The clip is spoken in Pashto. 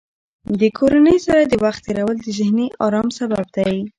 د کورنۍ سره د وخت تېرول د ذهني ارام سبب دی.